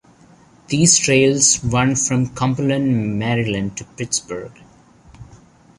These trails run from Cumberland, Maryland to Pittsburgh.